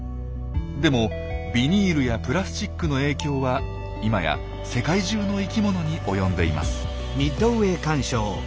でもビニールやプラスチックの影響は今や世界中の生きものに及んでいます。